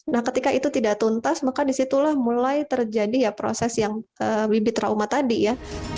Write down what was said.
nah ketika itu tidak tuntas maka disitulah mulai terjadi ya proses yang bibit trauma tadi ya